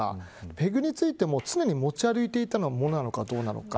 ペグについても常に持ち歩いていたものなのかどうなのか。